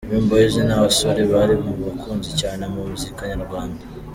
Dream Boys ni abasore bari mu bakunzwe cyane mu muziki nyarwanda.